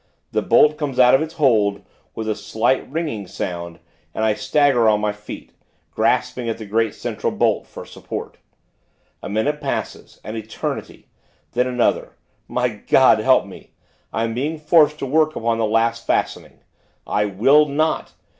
The bolt comes out of its hold, with a slight, ringing sound and I stagger on my feet, grasping at the great, central bolt, for support. A minute passes, an eternity; then another My God, help me! I am being forced to work upon the last fastening. _I will not!